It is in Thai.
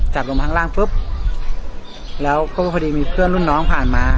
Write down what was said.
จับลงข้างล่างปุ๊บแล้วก็พอดีมีเพื่อนรุ่นน้องผ่านมา